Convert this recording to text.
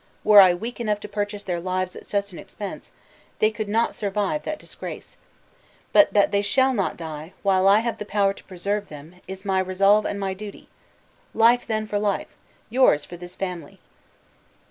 Were I weak enough to purchase their lives at such an expense, they could not survive that disgrace. But that they shall not die, while I have the power to preserve them, is my resolve and my duty! Life, then, for life; yours for this family!"